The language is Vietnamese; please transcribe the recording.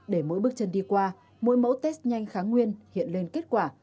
để mỗi bước chân đi qua mỗi mẫu test nhanh kháng nguyên hiện lên kết quả